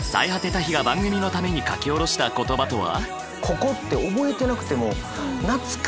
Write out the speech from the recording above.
タヒが番組のために書き下ろした言葉とは？